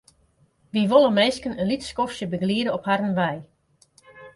Wy wolle minsken in lyts skoftsje begeliede op harren wei.